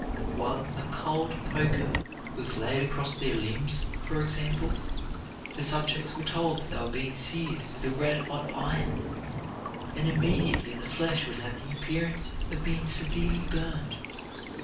While a cold poker was laid across their limbs, for example, the subjects were told that they were being seared with a red hot iron, and immediately the flesh would have the appearance of being severely burned.